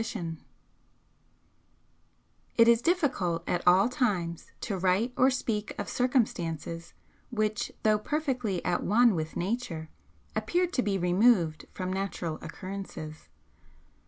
I THE HEROINE BEGINS HER STORY It is difficult at all times to write or speak of circumstances which though perfectly at one with Nature appear to be removed from natural occurrences.